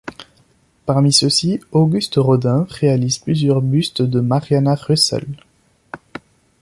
Parmi ceux-ci, Auguste Rodin réalise plusieurs bustes de Marianna Russell.